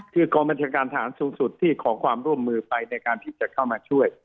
คือกองบัญชาการทหารสูงสุดที่ขอความร่วมมือไปในการที่จะเข้ามาช่วย